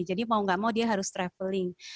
jadi mau nggak mau dia harus traveling